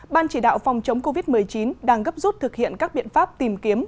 ban chỉ đạo phòng chống covid một mươi chín đang gấp rút thực hiện các biện pháp tìm kiếm